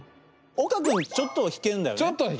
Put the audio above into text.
岡君ちょっとは弾けんだよね？